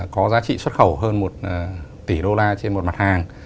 có giá trị xuất khẩu hơn một tỷ đô la trên một mặt hàng